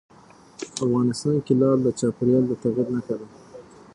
افغانستان کې لعل د چاپېریال د تغیر نښه ده.